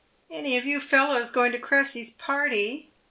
179 "Any of you fellows going to Cressy's party?"